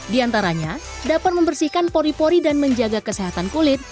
di antaranya dapat membersihkan pori pori dan menjaga kesehatan kulit